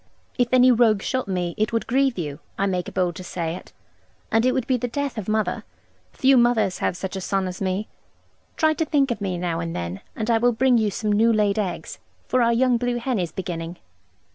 If any rogue shot me it would grieve you; I make bold to say it, and it would be the death of mother. Few mothers have such a son as me. Try to think of me now and then, and I will bring you some new laid eggs, for our young blue hen is beginning.'